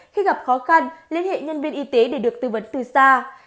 khi gặp khó khăn liên hệ nhân viên y tế để được tư vấn từ xa